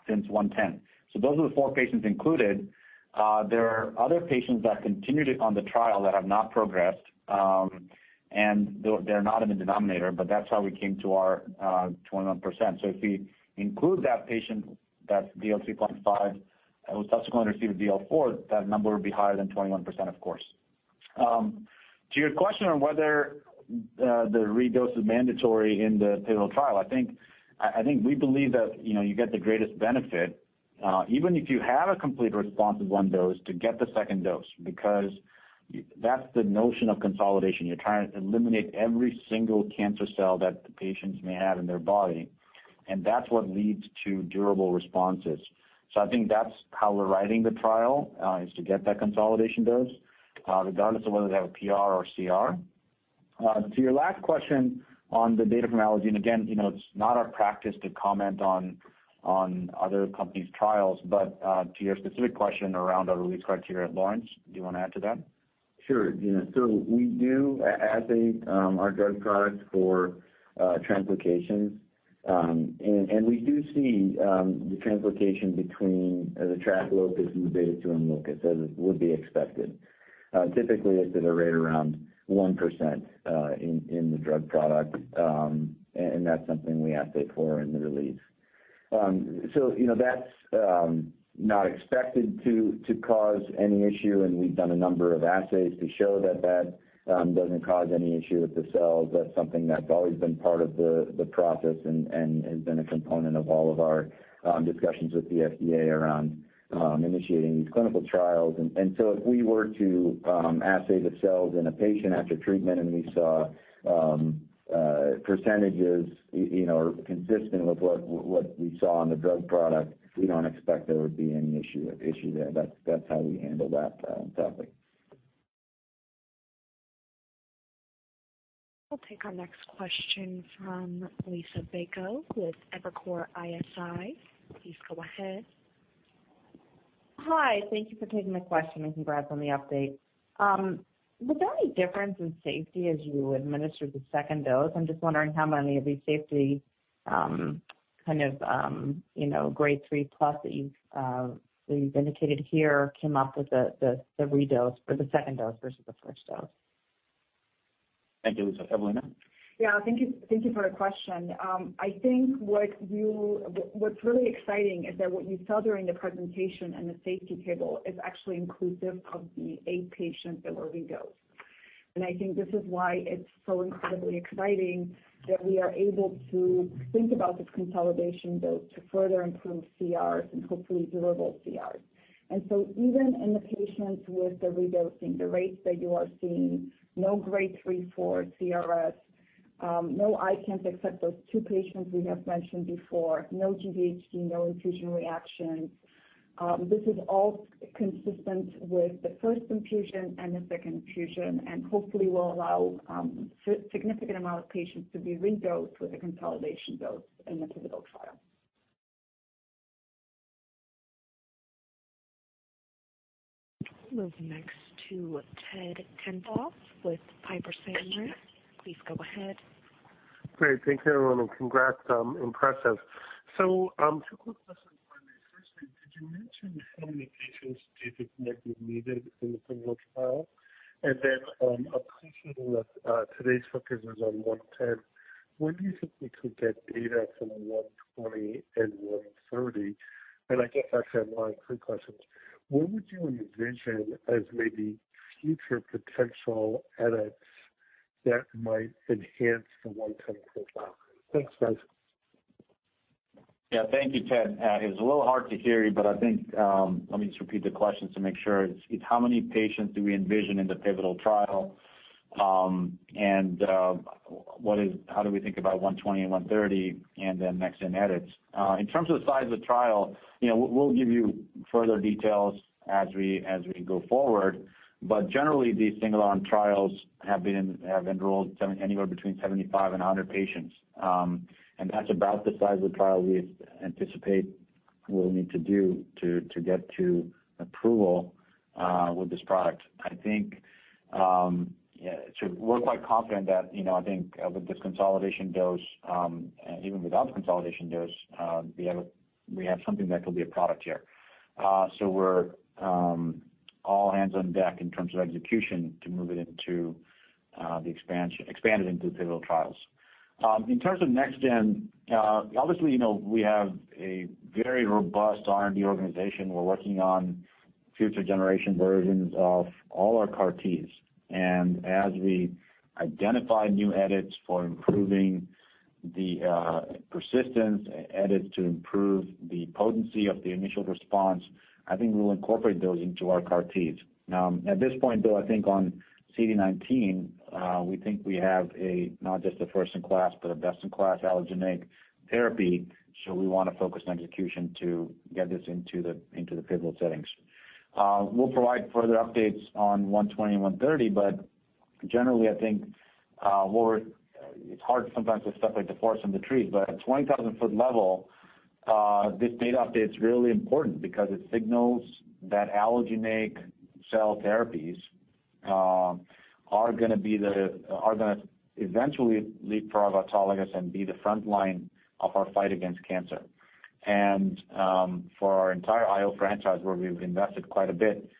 since CTX110. Those are the four patients included. There are other patients that continued on the trial that have not progressed, and they're not in the denominator, but that's how we came to our 21%. If we include that patient, that DL3.5, who subsequently received a DL4, that number would be higher than 21%, of course. To your question on whether the redose is mandatory in the pivotal trial, I think we believe that you get the greatest benefit, even if you have a complete response with one dose to get the second dose, because that's the notion of consolidation. You're trying to eliminate every single cancer cell that the patients may have in their body, and that's what leads to durable responses. I think that's how we're writing the trial, is to get that consolidation dose, regardless of whether they have a PR or CR. To your last question on the data from Allogene, and again, it's not our practice to comment on other companies' trials, to your specific question around our release criteria, Lawrence, do you want to add to that? Sure, Gena. We do assay our drug products for translocations. We do see the translocation between the TRAC locus and the beta-2M locus as would be expected. Typically, it's at a rate around 1% in the drug product. That's something we assay for in the release That's not expected to cause any issue, and we've done a number of assays to show that that doesn't cause any issue with the cells. That's something that's always been part of the process and has been a component of all of our discussions with the FDA around initiating these clinical trials. If we were to assay the cells in a patient after treatment, and we saw percentages consistent with what we saw in the drug product, we don't expect there would be any issue there. That's how we handle that topic. We'll take our next question from Liisa Bayko with Evercore ISI. Please go ahead. Hi. Thank you for taking my question, and congrats on the update. Was there any difference in safety as you administered the second dose? I'm just wondering how many of these safety grade 3+ that you've indicated here came up with the redose or the second dose versus the first dose. Thank you, Liisa. Evelina? Yeah. Thank you for the question. I think what's really exciting is that what you saw during the presentation and the safety table is actually inclusive of the eight patients that were redosed. I think this is why it's so incredibly exciting that we are able to think about this consolidation dose to further improve CRs and hopefully durable CRs. Even in the patients with the redosing, the rates that you are seeing, no grade 3/4 CRS, no ICANS except those two patients we have mentioned before, no GvHD, no infusion reactions. This is all consistent with the first infusion and the second infusion, hopefully will allow significant amount of patients to be redosed with a consolidation dose in the pivotal trial. Moving next to Ted Tenthoff with Piper Sandler. Please go ahead. Great. Thanks, everyone, and congrats. Impressive. Two quick questions for me. Firstly, could you mention how many patients do you think might be needed in the pivotal trial? Appreciating that today's focus was on CTX110, when do you think we could get data from the CTX120 and CTX130? I guess that's actually three questions. What would you envision as maybe future potential edits that might enhance the CTX110 profile? Thanks, guys. Yeah. Thank you, Ted. It was a little hard to hear you, but I think let me just repeat the questions to make sure. It's how many patients do we envision in the pivotal trial, and how do we think about 120 and 130, and then next-gen edits. In terms of the size of the trial, we'll give you further details as we go forward. Generally, these single-arm trials have enrolled anywhere between 75 and 100 patients. That's about the size of trial we anticipate we'll need to do to get to approval with this product. We're quite confident that, I think, with this consolidation dose, even without the consolidation dose, we have something that could be a product here. We're all hands on deck in terms of execution to move it into the expanded into pivotal trials. In terms of next gen, obviously, we have a very robust R&D organization. We're working on future generation versions of all our CAR-Ts. As we identify new edits for improving the persistence, edits to improve the potency of the initial response, I think we'll incorporate those into our CAR-Ts. At this point, though, I think on CD19, we think we have a, not just a first in class, but a best in class allogeneic therapy, so we want to focus on execution to get this into the pivotal settings. We'll provide further updates on CTX120 and CTX130, but generally, I think it's hard sometimes with stuff like the forest and the trees, but at 20,000-foot level, this data update's really important because it signals that allogeneic cell therapies are going to eventually leapfrog autologous and be the frontline of our fight against cancer. For our entire IO franchise, where we've invested quite a bit,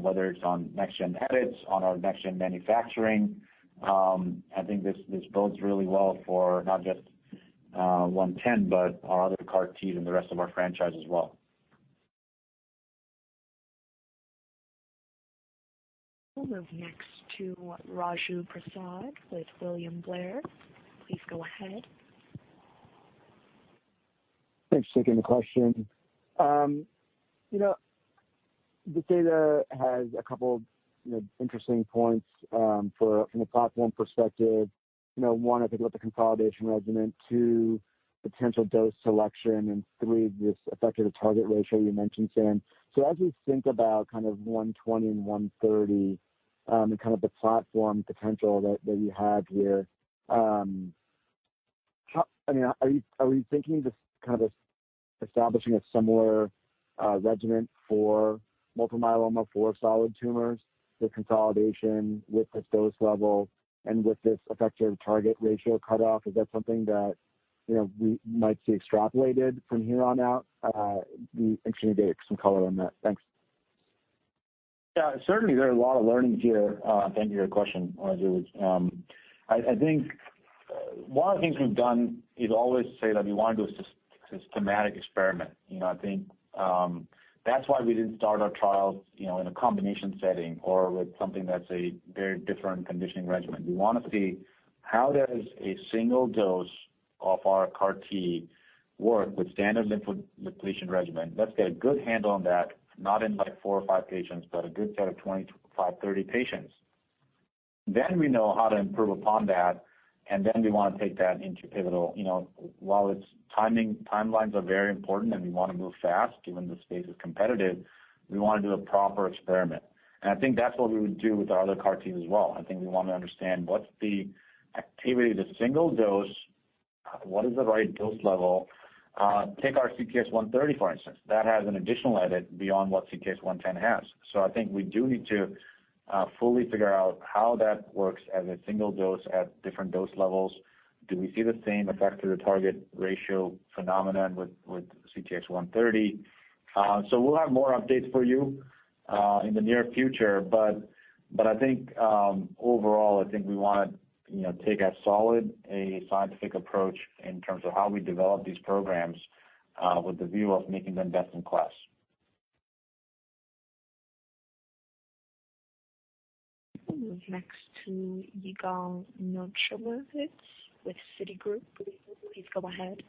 whether it's on next-gen edits, on our next-gen manufacturing, I think this bodes really well for not just 110, but our other CAR-T and the rest of our franchise as well. We'll move next to Raju Prasad with William Blair. Please go ahead. Thanks for taking the question. The data has a couple interesting points from a platform perspective. I think about the consolidation regimen two potential dose selection, and three, this effector-to-target ratio you mentioned, Sam. As we think about CTX120 and CTX130 and the platform potential that you have here, are we thinking just establishing a similar regimen for multiple myeloma, for solid tumors, with consolidation, with this dose level, and with this effector-to-target ratio cutoff? Is that something that we might see extrapolated from here on out? I'm interested to get some color on that. Thanks. Yeah, certainly there are a lot of learnings here. Thank you for your question, Raju Prasad. I think one of the things we've done is always say that we want to do a systematic experiment. I think that's why we didn't start our trials in a combination setting or with something that's a very different conditioning regimen. We want to see how does a single dose of our CAR-T work with standard lymphodepletion regimen. Let's get a good handle on that, not in four or five patients, but a good set of 25, 30 patients. Then we know how to improve upon that, and then we want to take that into pivotal. While timelines are very important and we want to move fast, given the space is competitive, we want to do a proper experiment. I think that's what we would do with our other CAR-T as well. I think we want to understand what's the activity of the single dose, what is the right dose level. Take our CTX130, for instance. That has an additional edit beyond what CTX110 has. I think we do need to fully figure out how that works as a single dose at different dose levels. Do we see the same effect to the target ratio phenomenon with CTX130? We'll have more updates for you in the near future, but I think, overall, I think we want to take a solid scientific approach in terms of how we develop these programs with the view of making them best in class. We'll move next to Yigal Nochomovitz with Citigroup. Please go ahead.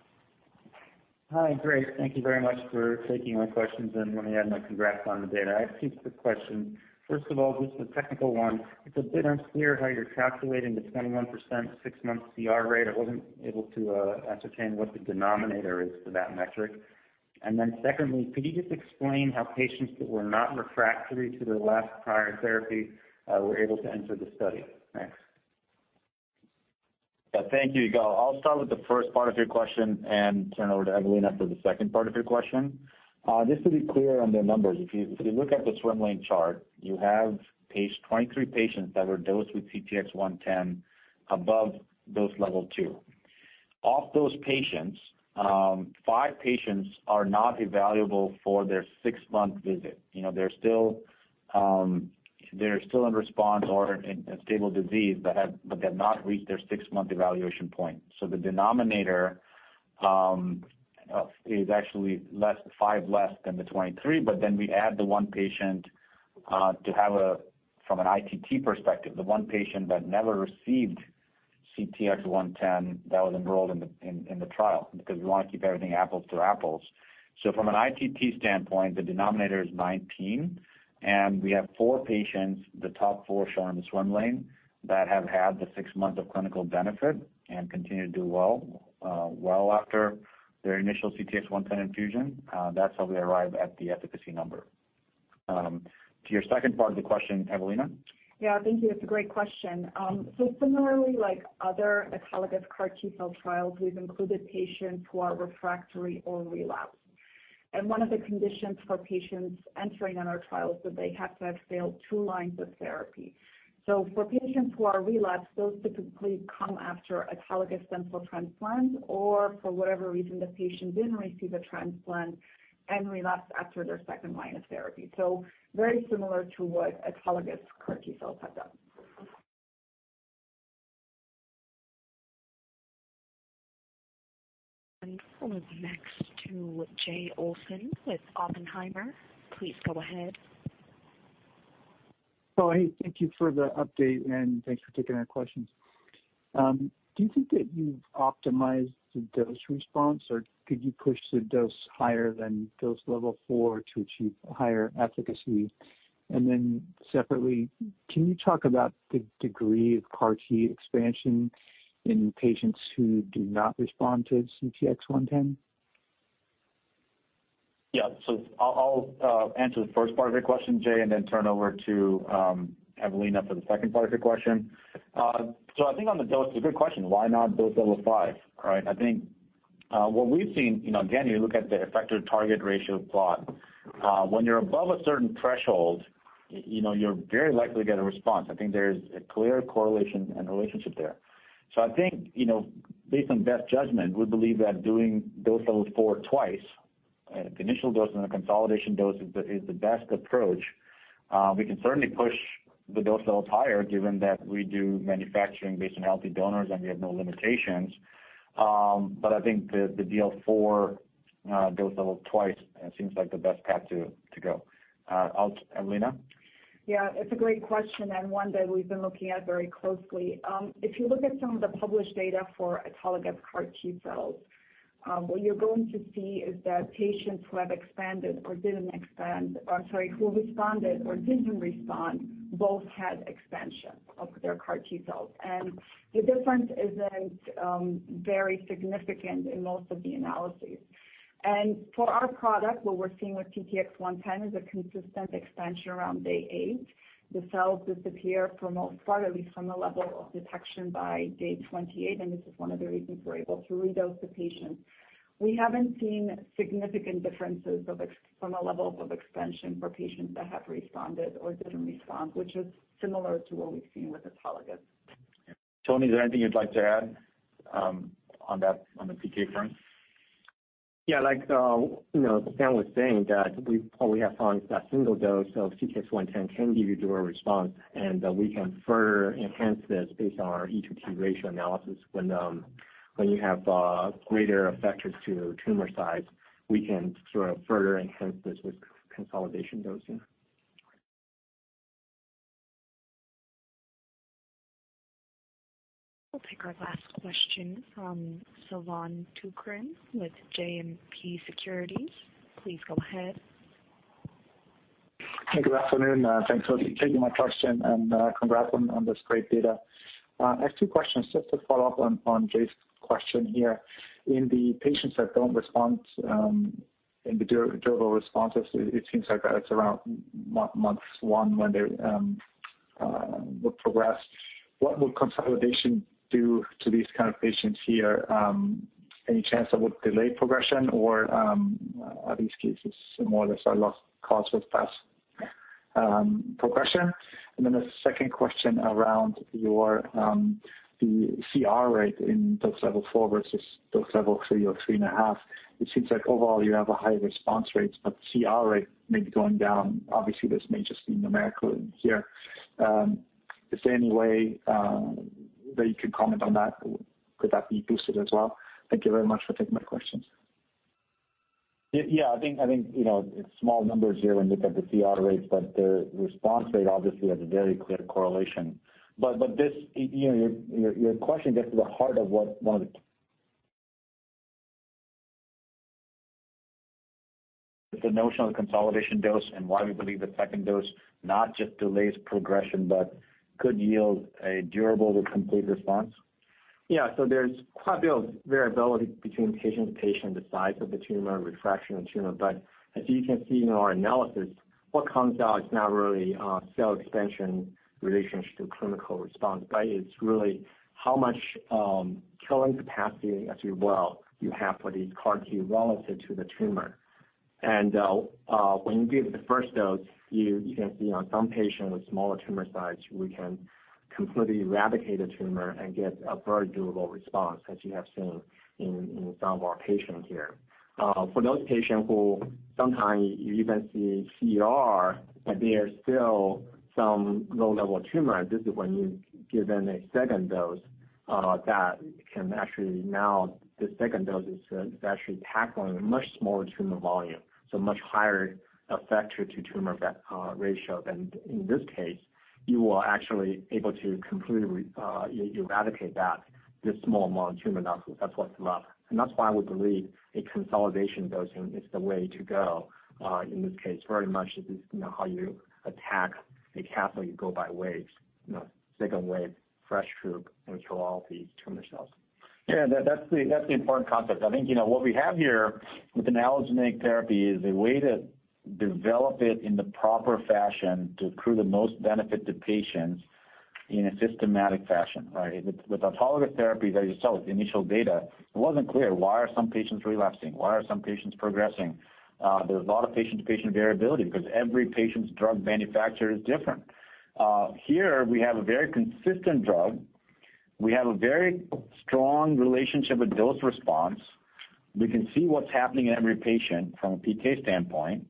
Hi. Great. Thank you very much for taking my questions, and let me add my congrats on the data. I have two quick questions. First of all, just a technical one. It's a bit unclear how you're calculating the 21% six-month CR rate. I wasn't able to ascertain what the denominator is for that metric. Secondly, could you just explain how patients that were not refractory to their last prior therapy were able to enter the study? Thanks. Thank you, Yigal. I'll start with the first part of your question and turn over to Evelina for the second part of your question. Just to be clear on the numbers, if you look at the swim lane chart, you have 23 patients that were dosed with CTX110 above dose level two. Of those patients, five patients are not evaluable for their six-month visit. They're still in response or in a stable disease, but have not reached their six-month evaluation point. The denominator is actually five less than the 23, but then we add the one patient to have, from an ITT perspective, the 1 patient that never received CTX110 that was enrolled in the trial, because we want to keep everything apples to apples. From an ITT standpoint, the denominator is 19, and we have four patients, the top four shown in the swim lane, that have had the six months of clinical benefit and continue to do well after their initial CTX110 infusion. That's how we arrive at the efficacy number. To your second part of the question, Evelina? Yeah, thank you. It's a great question. Similarly, like other autologous CAR-T cell trials, we've included patients who are refractory or relapsed. One of the conditions for patients entering on our trial is that they have to have failed two lines of therapy. For patients who are relapsed, those typically come after autologous stem cell transplant, or for whatever reason, the patient didn't receive a transplant and relapsed after their second line of therapy. Very similar to what autologous CAR-T cells have done. We'll go next to Jay Olson with Oppenheimer. Please go ahead. Thank you for the update, and thanks for taking our questions. Do you think that you've optimized the dose response, or could you push the dose higher than dose level four to achieve higher efficacy? Separately, can you talk about the degree of CAR-T expansion in patients who do not respond to CTX110? Yeah. I'll answer the first part of your question, Jay, and then turn over to Evelina for the second part of your question. I think on the dose, it's a good question. Why not dose level five, right? I think what we've seen, again, you look at the effector-to-target ratio plot. When you're above a certain threshold, you're very likely to get a response. I think there's a clear correlation and relationship there. I think, based on best judgment, we believe that doing dose level four twice, the initial dose and the consolidation dose, is the best approach. We can certainly push the dose levels higher given that we do manufacturing based on healthy donors and we have no limitations. I think the DL4 dose level twice seems like the best path to go. Evelina? Yeah. It's a great question and one that we've been looking at very closely. If you look at some of the published data for autologous CAR T-cells, what you're going to see is that patients who have expanded or didn't expand, or sorry, who responded or didn't respond, both had expansion of their CAR T-cells. The difference isn't very significant in most of the analyses. For our product, what we're seeing with CTX110 is a consistent expansion around day eight. The cells disappear for most part, at least from a level of detection by day 28, and this is one of the reasons we're able to redose the patient. We haven't seen significant differences from a level of expansion for patients that have responded or didn't respond, which is similar to what we've seen with autologous. Tony, is there anything you'd like to add on the PK front? Yeah, like Sam was saying that we probably have found that single dose of CTX110 can give you durable response, and we can further enhance this based on our E to T ratio analysis when you have greater effectors to tumor size, we can sort of further enhance this with consolidation dosing. We'll take our last question from Savan Tukrin with JMP Securities. Please go ahead. Good afternoon. Thanks for taking my question and congratulations on this great data. I have two questions just to follow up on Jay's question here. In the patients that don't respond, in the durable responses, it seems like that it's around one month when they would progress. What would consolidation do to these kind of patients here? Any chance that would delay progression or are these cases more or less a lost cause with fast progression? The second question around your CR rate in dose level four versus dose level three or three and a half. It seems like overall you have a high response rates, but CR rate may be going down. Obviously, this may just be numerical in here. Is there any way that you could comment on that? Could that be boosted as well? Thank you very much for taking my questions. Yeah. I think it's small numbers here when you look at the CR rates, but the response rate obviously has a very clear correlation. Your question gets to the heart of what one of the notion of the consolidation dose and why we believe the second dose not just delays progression, but could yield a durable to complete response. There's quite a bit of variability between patient to patient, the size of the tumor, refraction of the tumor. As you can see in our analysis, what comes out is not really cell expansion relationship to clinical response, but it's really how much killing capacity, as you will, you have for these CAR-T relative to the tumor. When you give the first dose, you can see on some patients with smaller tumor size, we can completely eradicate a tumor and get a very durable response as you have seen in some of our patients here. For those patients who sometimes you even see CR, but there are still some low-level tumor, this is when you give them a second dose that can actually now, the second dose is actually tackling a much smaller tumor volume, so much higher effector to tumor ratio than in this case, you will actually able to completely eradicate that, this small amount of tumor that's what's left. That's why we believe a consolidation dosing is the way to go in this case. Very much it is how you attack a castle, you go by waves. Second wave, fresh troop, and kill all the tumor cells. Yeah. That's the important concept. I think what we have here with an allogeneic therapy is a way to develop it in the proper fashion to accrue the most benefit to patients in a systematic fashion, right? With autologous therapy that you saw with the initial data, it wasn't clear why are some patients relapsing, why are some patients progressing? There's a lot of patient-to-patient variability because every patient's drug manufacturer is different. Here we have a very consistent drug. We have a very strong relationship with dose response. We can see what's happening in every patient from a PK standpoint.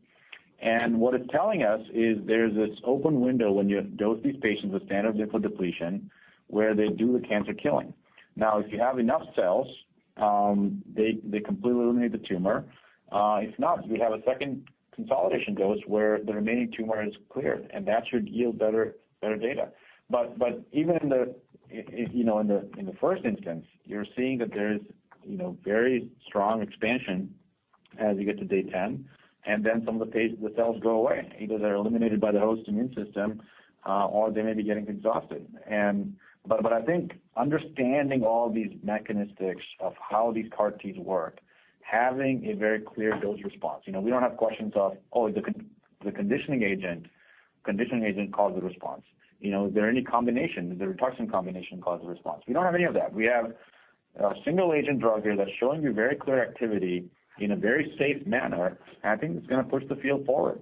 What it's telling us is there's this open window when you dose these patients with standard lymphodepletion where they do the cancer killing. Now, if you have enough cells, they completely eliminate the tumor. If not, we have a second consolidation dose where the remaining tumor is cleared, and that should yield better data. Even in the first instance, you're seeing that there is very strong expansion as you get to day 10, some of the cells go away. Either they're eliminated by the host immune system or they may be getting exhausted. I think understanding all these mechanistics of how these CAR-T's work, having a very clear dose response, we don't have questions of the conditioning agent caused the response. Is there any combination? Does the rituximab combination cause a response? We don't have any of that. We have a single-agent drug here that's showing you very clear activity in a very safe manner, I think it's going to push the field forward.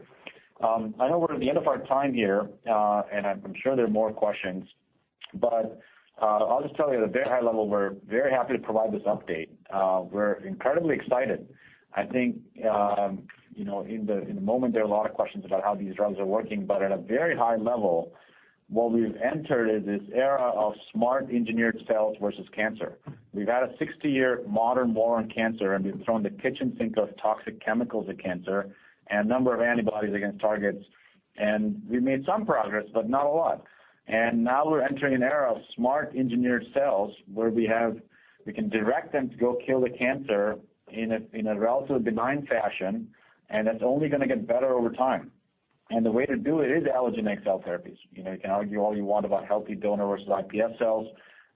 I know we're at the end of our time here, and I'm sure there are more questions, but I'll just tell you at a very high level, we're very happy to provide this update. We're incredibly excited. I think in the moment, there are a lot of questions about how these drugs are working, but at a very high level, what we've entered is this era of smart engineered cells versus cancer. We've had a 60-year modern war on cancer, and we've thrown the kitchen sink of toxic chemicals at cancer and a number of antibodies against targets, and we've made some progress, but not a lot. Now we're entering an era of smart engineered cells where we can direct them to go kill the cancer in a relatively benign fashion, and that's only going to get better over time. The way to do it is allogeneic cell therapies. You can argue all you want about healthy donor versus iPS cells,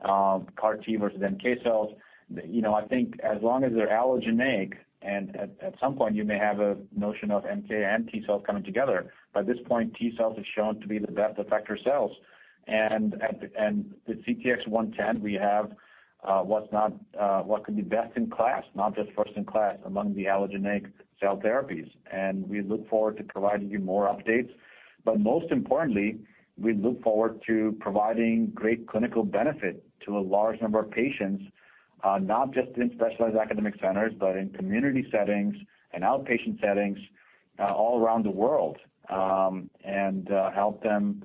CAR T versus NK cells. I think as long as they're allogeneic, and at some point you may have a notion of NK and T cells coming together, but at this point, T cells have shown to be the best effector cells. The CTX110 we have what could be best in class, not just first in class, among the allogeneic cell therapies. We look forward to providing you more updates. Most importantly, we look forward to providing great clinical benefit to a large number of patients, not just in specialized academic centers, but in community settings and outpatient settings all around the world, and help them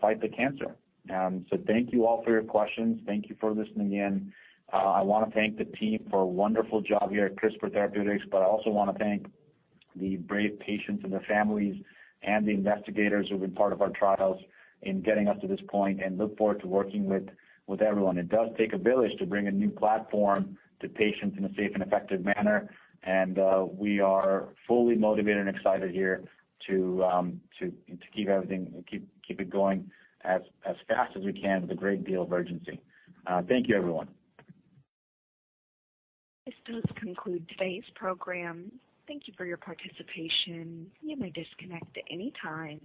fight the cancer. Thank you all for your questions. Thank you for listening in. I want to thank the team for a wonderful job here at CRISPR Therapeutics, but I also want to thank the brave patients and their families and the investigators who've been part of our trials in getting us to this point and look forward to working with everyone. It does take a village to bring a new platform to patients in a safe and effective manner, and we are fully motivated and excited here to keep it going as fast as we can with a great deal of urgency. Thank you, everyone. This does conclude today's program. Thank you for your participation. You may disconnect at any time.